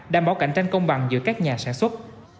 đảm bảo cạnh tranh công bằng giữa các nhà sản xuất